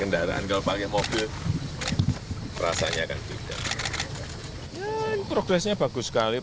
dan progresnya bagus sekali